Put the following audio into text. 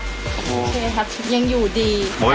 โอเคครับยังอยู่ดี